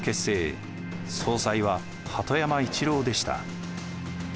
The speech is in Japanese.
総裁は鳩山一郎でした。